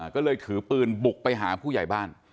ก็เลยถือปืนบุกไปหาผู้ใหญ่บ้าน